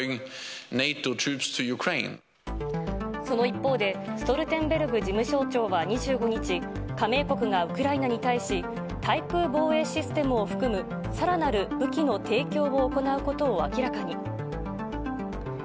その一方で、ストルテンベルグ事務総長は２５日、加盟国がウクライナに対し、対空防衛システムを含むさらなる武器の提供を行うことを明らかに。